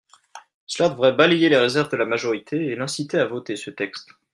Cela devrait balayer les réserves de la majorité et l’inciter à voter ce texte.